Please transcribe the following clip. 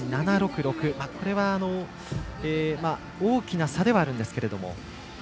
これは大きな差ではあるんですけれども。